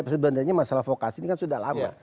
sebenarnya masalah vokasi ini kan sudah lama